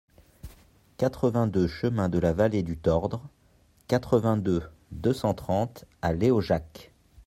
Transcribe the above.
quatre-vingt-deux chemin de la Vallée du Tordre, quatre-vingt-deux, deux cent trente à Léojac